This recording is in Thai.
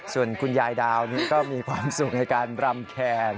ส่วนคุณยายดาวนี้ก็มีความสุขในการรำแคน